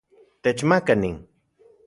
Techmaka nin